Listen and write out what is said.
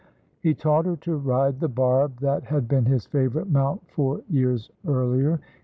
He taught her to ride the barb that had been his favourite mount four years earlier.